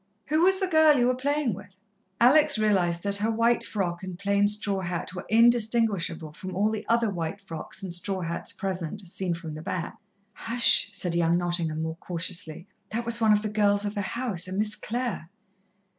"Who was the girl you were playing with?" Alex realized that her white frock and plain straw hat were indistinguishable from all the other white frocks and straw hats present, seen from the back. "Hush," said young Nottingham more cautiously. "That was one of the girls of the house, a Miss Clare."